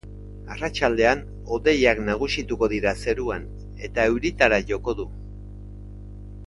Arratsaldean hodeiak nagusituko dira zeruan eta euritara joko du.